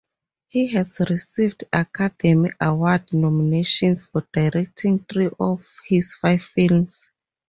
He has received Academy Award nominations for directing three of his five films.